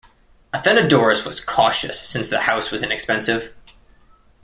Athenodorus was cautious since the house was inexpensive.